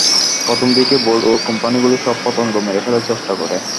প্রথমদিকে বড়ো কোম্পানিগুলো সব পতঙ্গ মেরে ফেলার চেষ্টা করে।